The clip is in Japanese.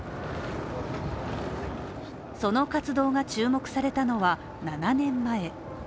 その活動が注目されたのは７年前。